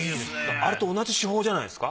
あれと同じ手法じゃないですか？